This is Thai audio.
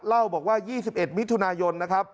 เล่าบอกว่า๒๑มิถุนายนนะครับ